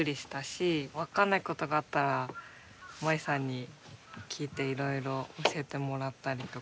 分かんないことがあったらまりさんに聞いていろいろ教えてもらったりとか。